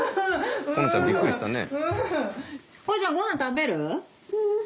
このちゃんびっくりしたね。